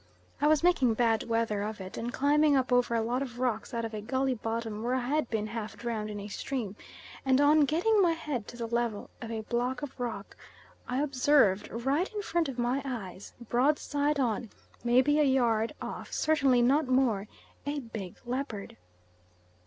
I was making bad weather of it, and climbing up over a lot of rocks out of a gully bottom where I had been half drowned in a stream, and on getting my head to the level of a block of rock I observed right in front of my eyes, broadside on, maybe a yard off, certainly not more, a big leopard.